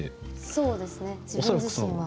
そうですね自分自身は。